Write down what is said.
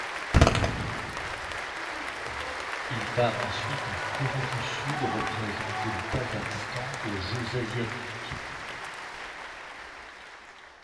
Il part ensuite en Corée du Sud représenter le Kazakhstan aux Jeux asiatiques.